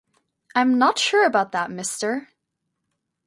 I'm not sure about that, mister.